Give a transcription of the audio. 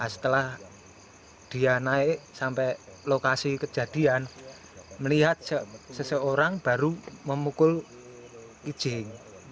setelah dia naik sampai lokasi kejadian melihat seseorang baru memukul izin